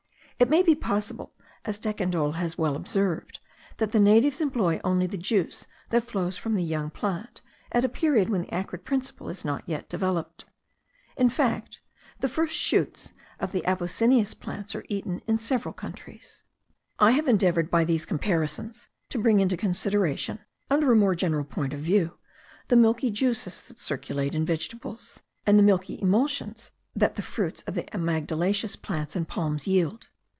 It may be possible, as Decandolle has well observed, that the natives employ only the juice that flows from the young plant, at a period when the acrid principle is not yet developed. In fact, the first shoots of the apocyneous plants are eaten in several countries. I have endeavoured by these comparisons to bring into consideration, under a more general point of view, the milky juices that circulate in vegetables; and the milky emulsions that the fruits of the amygdalaceous plants and palms yield.